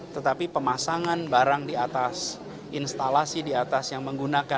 tetapi pemasangan barang di atas instalasi di atas yang menggunakan